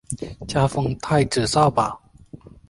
加封太子少保。